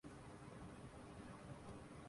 گاؤں میں ڈاکٹروں کی کمی ہے